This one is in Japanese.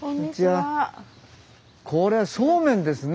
これはそうめんですね？